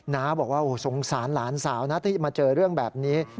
น้าบอกว่าสงสารหลานสาวนะที่มาเจอเรื่องแบบนี้